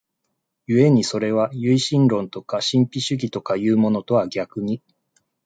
故にそれは唯心論とか神秘主義とかいうものとは逆に、